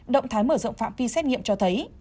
động thái mở rộng phạm vi xét nghiệm cho thấy